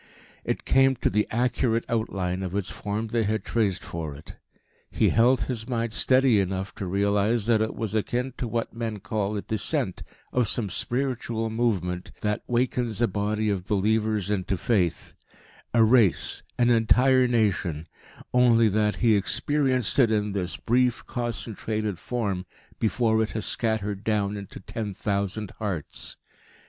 It came to the accurate out line of its form they had traced for it. He held his mind steady enough to realise that it was akin to what men call a "descent" of some "spiritual movement" that wakens a body of believers into faith a race, an entire nation; only that he experienced it in this brief, concentrated form before it has scattered down into ten thousand hearts.